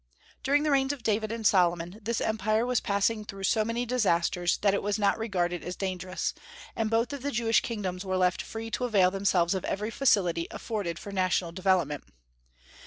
During the reigns of David and Solomon this empire was passing through so many disasters that it was not regarded as dangerous, and both of the Jewish kingdoms were left free to avail themselves of every facility afforded for national development.